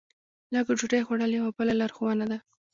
لږه ډوډۍ خوړل یوه بله لارښوونه ده.